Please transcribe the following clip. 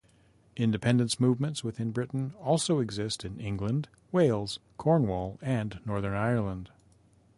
Independence movements within Britain also exist in England, Wales, Cornwall and Northern Ireland.